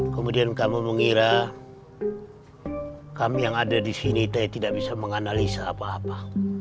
kemudian kamu mengira kami yang ada disini tidak bisa menganalisa apa apa